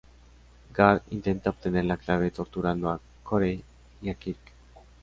Garth intenta obtener la clave torturando a Corey y a Kirk.